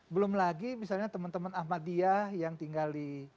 belum lagi misalnya teman teman ahmadiyah yang tinggal di mataram di lombok timur